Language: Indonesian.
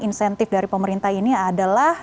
insentif dari pemerintah ini adalah